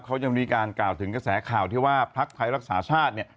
เขายังมีการกล่าวถึงกระแสข่าวที่ว่าพักไทยรักษาชาติเนี่ย